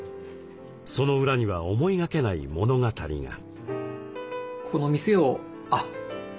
その裏には思いがけない物語が。